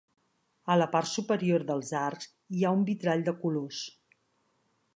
A la part superior dels arcs hi ha un vitrall de colors.